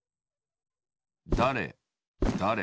だれだれ